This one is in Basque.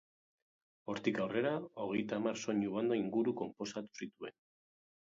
Hortik aurrera hogeita hamar soinu-banda inguru konposatu zituen.